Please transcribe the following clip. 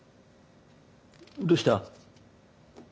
どうした？